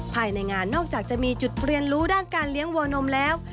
ภายในงานนอกจากจะมีจุดเรียนรู้ด้านการเลี้ยงวัวนมแล้ว